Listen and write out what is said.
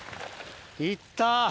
いった。